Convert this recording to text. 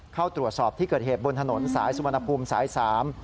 เข้าตรวจสอบที่เกิดเหตุบนถนนสายสุวรรณภูมิสายสาม